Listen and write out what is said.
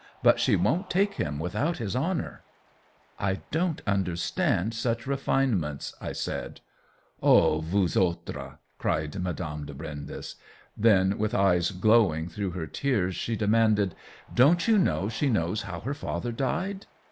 But she won't take him without his honor." " I don't understand such refinements !" I said. "Oh, vous autresP'* cried Madame de Brindes. Then with eyes glowing through 140 COLLABORATION her tears she demanded :" Don't you know she knows how her father died